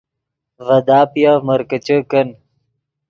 ڤے داپیف مرکیچے کن